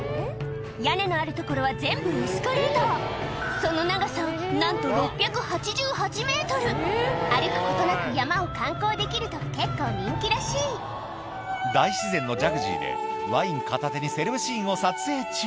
屋根のあるところは全部エスカレーターなんと歩くことなく山を観光できると結構人気らしい大自然のジャクージでワイン片手にセレブシーンを撮影中